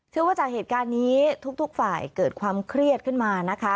ว่าจากเหตุการณ์นี้ทุกฝ่ายเกิดความเครียดขึ้นมานะคะ